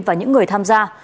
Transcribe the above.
và những người tham gia